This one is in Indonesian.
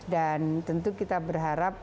dan tentu kita berharap